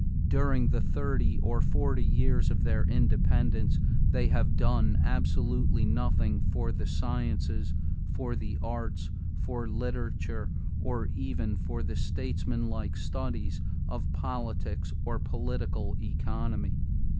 "During the thirty or forty years of their independence they have done absolutely nothing for the sciences, for the arts, for literature, or even for the statesmanlike studies of politics or political economy....